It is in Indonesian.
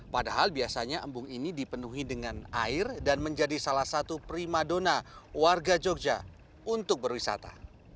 padahal biasanya embung ini dipenuhi dengan air dan menjadi salah satu prima dona warga jogja untuk berwisata